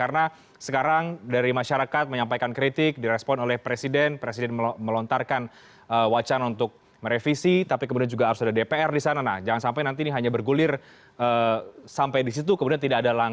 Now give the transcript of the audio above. assalamualaikum warahmatullahi wabarakatuh selamat malam